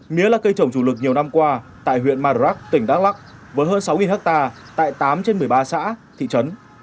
mía là cây trồng chủ lực nhiều năm qua tại huyện madrak tỉnh đắk lắc với hơn sáu ha tại tám trên một mươi ba xã thị trấn